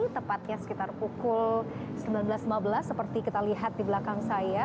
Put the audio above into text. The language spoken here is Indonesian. tepatnya sekitar pukul sembilan belas lima belas seperti kita lihat di belakang saya